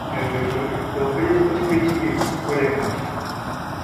As a result, the offices of the "Free Speech" were demolished.